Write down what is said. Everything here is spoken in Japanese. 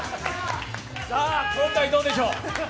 今回、どうでしょう？